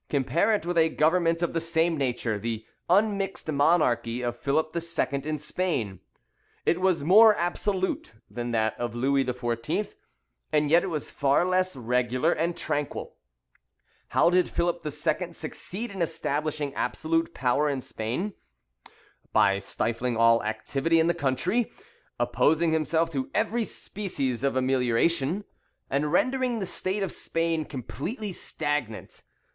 Compare it with a government of the same nature, the unmixed monarchy of Philip II. in Spain; it was more absolute than that of Louis XIV., and yet it was far less regular and tranquil. How did Philip II. succeed in establishing absolute power in Spain? By stifling all activity in the country, opposing himself to every species of amelioration, and rendering the state of Spain completely stagnant.